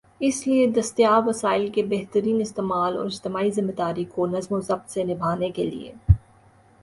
اس لئے دستیاب وسائل کے بہترین استعمال اور اجتماعی ذمہ داری کو نظم و ضبط سے نبھانے کے لئے